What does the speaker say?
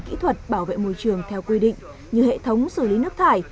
kỹ thuật bảo vệ môi trường theo quy định như hệ thống xử lý nước thải